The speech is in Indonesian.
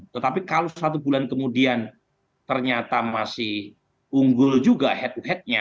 tetapi kalau satu bulan kemudian ternyata masih unggul juga head to headnya